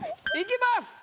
いきます！